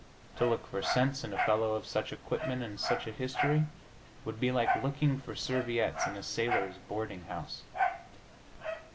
To look for sense in a fellow of such equipment and such a history would be like looking for serviettes in a sailors' boarding house.